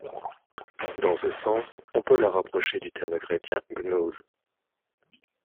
Dans ce sens, on peut la rapprocher du terme chrétien gnose.